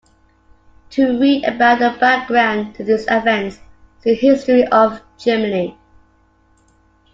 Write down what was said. To read about the background to these events, see History of Germany.